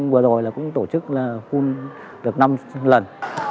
vừa rồi cũng tổ chức phun được năm lần